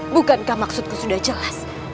bukankah maksudku sudah jelas